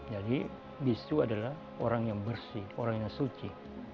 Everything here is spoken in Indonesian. jadi bisu adalah orang yang bersih orang yang suci